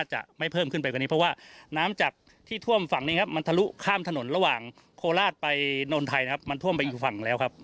ครับเพื่อนำรองแรงของกันได้ร่างนะครับ